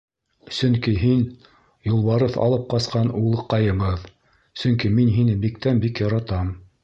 — Сөнки һин — юлбарыҫ алып ҡасҡан улыҡайыбыҙ, сөнки мин һине... биктән-бик яратам.